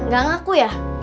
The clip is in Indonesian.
gak ngaku ya